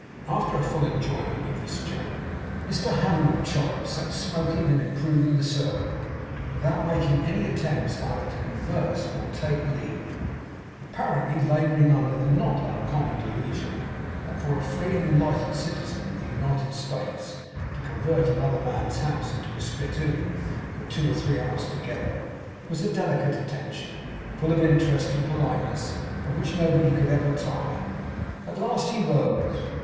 After a full enjoyment of this joke, Mr Hannibal Chollop sat smoking and improving the circle, without making any attempts either to converse or to take leave; apparently labouring under the not uncommon delusion that for a free and enlightened citizen of the United States to convert another man's house into a spittoon for two or three hours together, was a delicate attention, full of interest and politeness, of which nobody could ever tire. At last he rose.